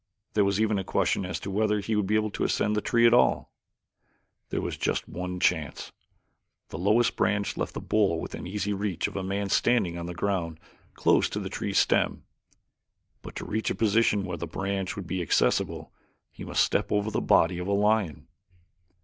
There was even a question as to whether he would be able to ascend the tree at all. There was just one chance: the lowest branch left the bole within easy reach of a man standing on the ground close to the tree's stem, but to reach a position where the branch would be accessible he must step over the body of a lion.